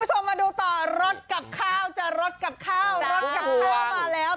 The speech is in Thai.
คุณผู้ชมมาดูต่อรถกับข้าวจะรถกับข้าวรถกับข้าวมาแล้ว